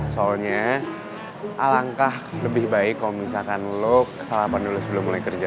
soalnya alangkah lebih baik kalau misalkan lo sarapan dulu sebelum mulai kerja